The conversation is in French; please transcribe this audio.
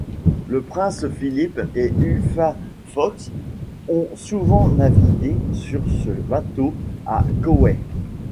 Le prince Philip et Uffa Fox ont souvent navigué sur ce bateau à Cowes.